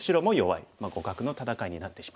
互角の戦いになってしまいました。